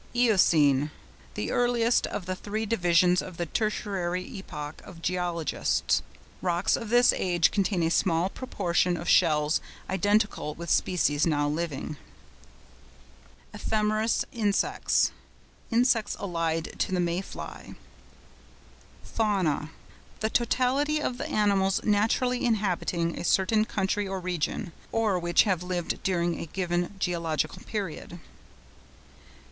EOCENE.—The earliest of the three divisions of the Tertiary epoch of geologists. Rocks of this age contain a small proportion of shells identical with species now living. EPHEMEROUS INSECTS.—Insects allied to the May fly. FAUNA.—The totality of the animals naturally inhabiting a certain country or region, or which have lived during a given geological period.